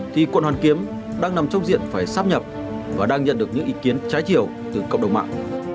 thì quận hoàn kiếm đang nằm trong diện phải sắp nhập và đang nhận được những ý kiến trái chiều từ cộng đồng mạng